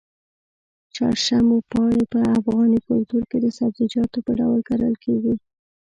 شړشمو پاڼې په افغاني کلتور کې د سبزيجاتو په ډول کرل کېږي.